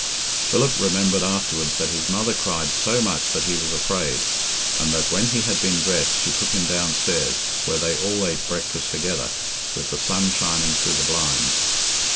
Philip remembered afterwards that his mother cried so much that he was afraid, and that when he had been dressed she took him downstairs, where they all ate breakfast together, with the sun shining through the blinds.